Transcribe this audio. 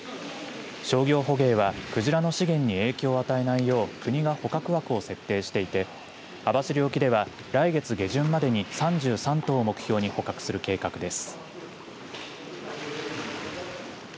商業捕鯨は鯨の資源に影響を与えないよう国が捕獲枠を設定していて網走沖では来月下旬までに３３頭を目標に捕獲する計画です。